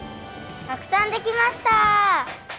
たくさんできました！